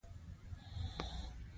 سهار د طبیعت له لوري غږ دی.